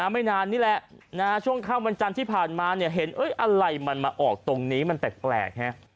ไม่นานนี่แหละช่วงค่ำวันจันทร์ที่ผ่านมาเห็นอะไรมันมาออกตรงนี้มันแปลก